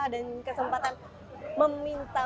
dan kesempatan meminta